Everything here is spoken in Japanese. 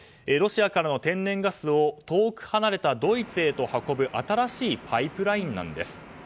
ロシアからの天然ガスを遠く離れたドイツへと運ぶ新しいパイプラインなんです。